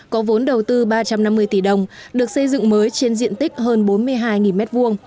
có vốn đầu tư ba trăm năm mươi tỷ đồng được xây dựng mới trên diện tích hơn bốn mươi hai m hai